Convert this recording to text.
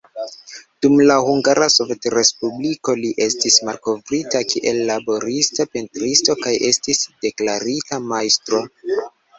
Dum la Hungara Sovetrespubliko li estis malkovrita, kiel laborista pentristo kaj estis deklarita majstro.